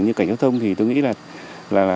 như cảnh giao thông thì tôi nghĩ là